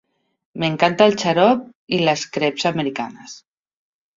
M'encanta el xarop i les creps americanes.